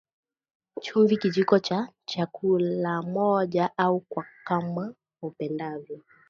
Chumvi Kijiko cha chakula moja au kwa kama upendavyo